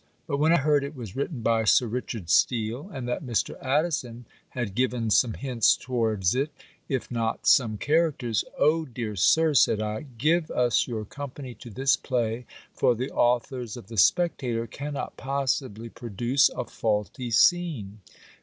But when I heard it was written by Sir Richard Steele, and that Mr. Addison had given some hints towards it, if not some characters "O, dear Sir," said I, "give us your company to this play; for the authors of the Spectator cannot possibly produce a faulty scene."